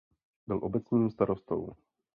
Byl obecním starostou.